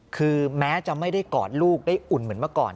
คือแม้จะไม่ได้กอดลูกได้อุ่นเหมือนเมื่อก่อน